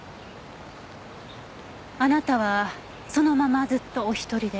あなたはそのままずっとお一人で？